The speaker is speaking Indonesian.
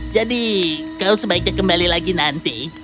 jadi kau sebaiknya kembali lagi nanti